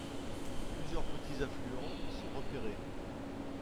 Plusieurs petits affluents sont repérés.